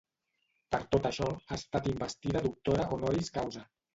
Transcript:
Per tot això, ha estat investida Doctora Honoris Causa.